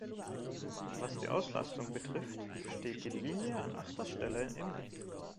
Was die Auslastung betrifft, steht die Linie an achter stelle im Netz.